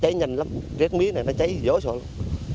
cháy nhanh lắm ghét miếng này nó cháy gió sộ lắm